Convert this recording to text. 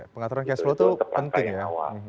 pengaturan cash flow itu penting ya